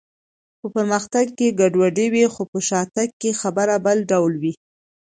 په پرمختګ کې ګډوډي وي، خو په شاتګ کې خبره بل ډول وه.